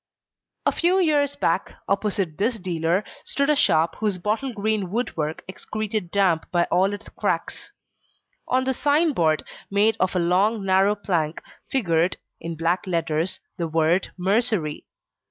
A few years back, opposite this dealer, stood a shop whose bottle green woodwork excreted damp by all its cracks. On the signboard, made of a long narrow plank, figured, in black letters the word: MERCERY.